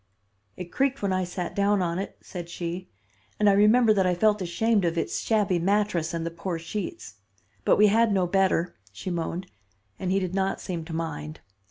"'It creaked when I sat down on it,' said she, 'and I remember that I felt ashamed of its shabby mattress and the poor sheets. But we had no better,' she moaned, 'and he did not seem to mind.